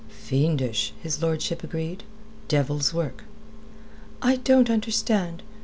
"Fiendish," his lordship agreed. "Devil's work." "I don't understand.